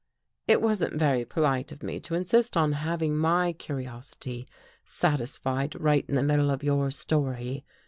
" It wasn't very polite of me to insist on having my curiosity satis fied right in the middle of your story.